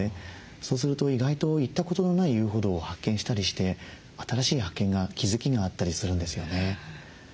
そうすると意外と行ったことのない遊歩道を発見したりして新しい発見が気付きがあったりするんですよね。